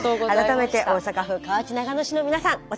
改めて大阪府河内長野市の皆さん